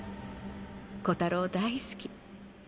太郎大好き。